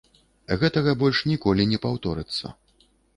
Гэтага больш ніколі не паўторыцца.